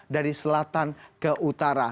dari selatan ke utara